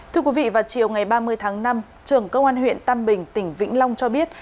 thưa quý vị vào chiều ngày ba mươi tháng năm trưởng công an huyện tam bình tỉnh vĩnh long cho biết